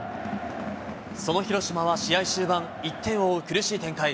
その広島は試合終盤、１点を追う苦しい展開。